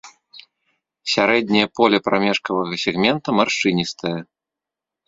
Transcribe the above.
Сярэдняе поле прамежкавага сегмента маршчыністае.